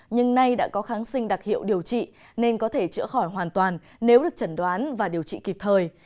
nhưng nay đã có kháng sinh đặc hiệu điều trị nên có thể chữa khỏi hoàn toàn nếu được chẩn đoán và điều trị kịp thời